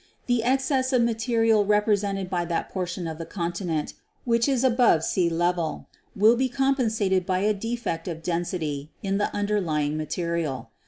The excess of material represented by that portion of the continent which is above sea level will be compensated for by a defect of density in the underlying material.